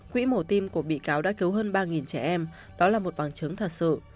quỹ mổ tim của bị cáo đã cứu hơn ba trẻ em đó là một bằng chứng thật sự